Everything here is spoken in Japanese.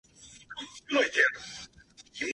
今日は暖かく、快晴ですね。